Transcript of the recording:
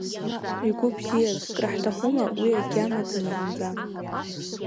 Игәы бзиаз, кры ҳҭахума, уи кагь амаӡам зынӡа!